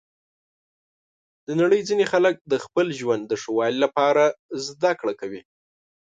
د نړۍ ځینې خلک د خپل ژوند د ښه والي لپاره زده کړه کوي.